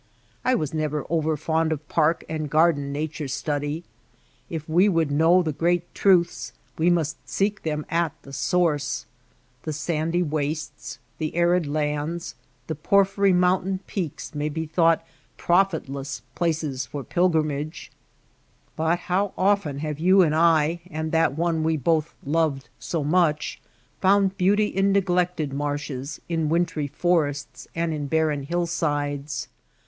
I was never over fond of park and garden nature study. If we would know the great truths we must seek them at the source. The sandy wastes, the arid lands, the porphyry mountain peaks may be thought profitless places for pilgrimages ; but how often have you and I, and that one we both loved so much, found beauty in neglected marshes, in wintry forests, and in barren hill sides